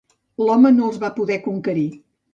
L'home no els va poder conquerir.